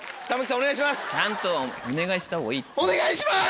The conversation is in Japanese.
お願いします。